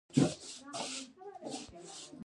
پاتې خلک د ځمکې په کښت او د اوبو په انتقال بوخت وو.